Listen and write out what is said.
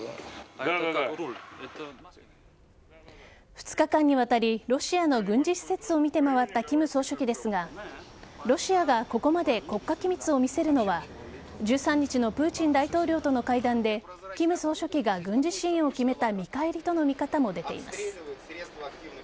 ２日間にわたりロシアの軍事施設を見て回った金総書記ですがロシアがここまで国家機密を見せるのは１３日のプーチン大統領との会談で金総書記が軍事支援を決めた見返りとの見方も出ています。